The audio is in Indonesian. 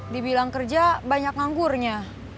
dibilang kerja banyak nganggurnya